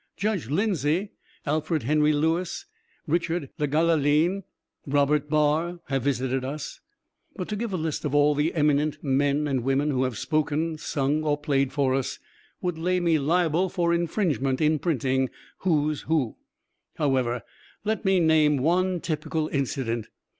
Judge Lindsey, Alfred Henry Lewis, Richard Le Gallienne, Robert Barr, have visited us; but to give a list of all the eminent men and women who have spoken, sung or played for us would lay me liable for infringement in printing "Who's Who." However, let me name one typical incident.